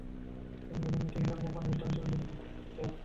তিনি Edirne telegraph কোম্পানির staff হিসেবে যোগ দেন।